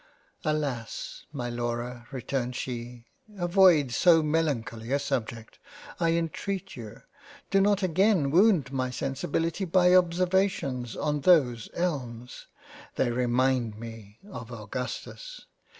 " Alas ! my Laura (returned she) avoid so melancholy a subject, I intreat you. Do not again wound my Sensibility by observa tions on those elms. They remind me of Augustus.